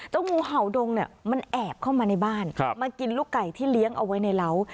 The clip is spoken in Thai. งูเห่าดงเนี่ยมันแอบเข้ามาในบ้านมากินลูกไก่ที่เลี้ยงเอาไว้ในเหล้า